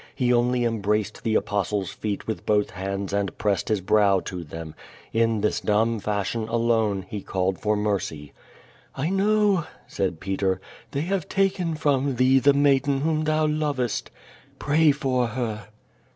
He only embraced the Apostle's feet with both hands and pressed his brow to them. In this dumb fashion, alone, he called for mercy. "I know,'' said Peter, "they have taken from thee the maiden whom thou lovest. Pray for her."